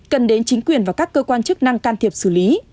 cần đến chính quyền và các cơ quan chức năng can thiệp xử lý